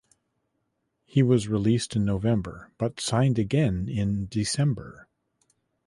He was released in November but signed again in December.